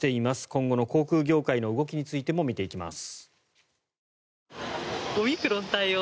今後の航空業界の動きについても見ていきます。